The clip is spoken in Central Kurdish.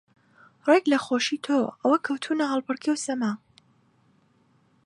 ڕێک لە خۆشی تۆ ئەوا کەوتوونە هەڵپەڕکێ و سەما